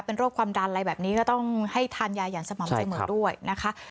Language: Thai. เป็นโรคความดันอะไรแบบนี้ก็ต้องให้ทานยาอย่างสม่ำเสมอด้วยนะคะ